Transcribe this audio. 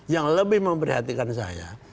yang lebih memperhatikan saya